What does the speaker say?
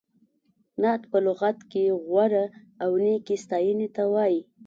نعت په لغت کې غوره او نېکې ستایینې ته وایي.